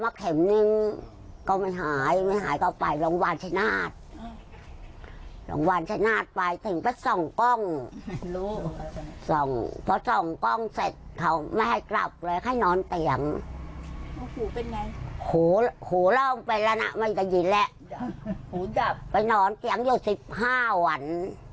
หูเป็นไงหูเล่าไปแล้วนะไม่ได้ยินแล้วไปนอนเตียงอยู่สิบห้าวันไฮยาฆ่าเชื้อสิบห้าวัน